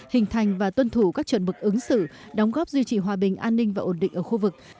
hình thành và tuân thủ các chuẩn mực ứng xử đóng góp duy trì hòa bình an ninh và ổn định ở khu vực